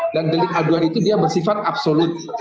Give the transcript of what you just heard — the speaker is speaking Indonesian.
dan delik aduan itu dia bersifat absolut